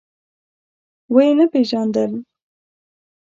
ويې نه پيژاندل.